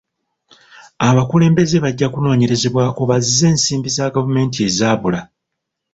Abakulembeze bajja kunoonyerezebwako bazze ensimbi za gavumenti ezaabula.